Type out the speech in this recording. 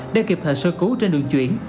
để kịp thời sơ cứu trên đường chuyển